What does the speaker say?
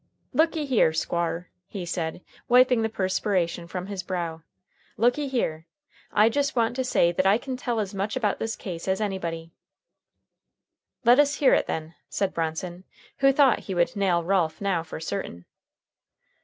"Looky here, Squar," he said, wiping the perspiration from his brow, "looky here. I jes want to say that I kin tell as much about this case as anybody." "Let us hear it, then," said Bronson, who thought he would nail Ralph now for certain.